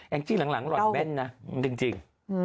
จี้หลังหล่อนแม่นนะจริง